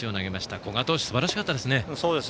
古賀投手、すばらしかったですね。